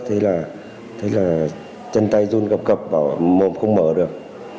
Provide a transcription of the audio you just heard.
thấy là chân tay run cập cập bảo mồm không mở được